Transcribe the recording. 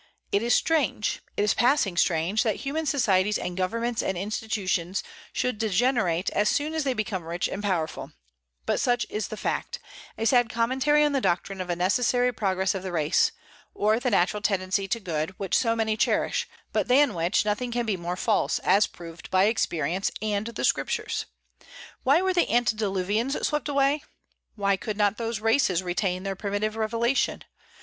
It is strange, it is passing strange, that human societies and governments and institutions should degenerate as soon as they become rich and powerful; but such is the fact, a sad commentary on the doctrine of a necessary progress of the race, or the natural tendency to good, which so many cherish, but than which nothing can be more false, as proved by experience and the Scriptures. Why were the antediluvians swept away? Why could not those races retain their primitive revelation?